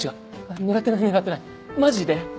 狙ってない狙ってないマジで！